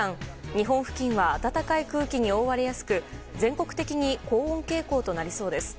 日本付近は暖かい空気に覆われやすく全国的に高温傾向となりそうです。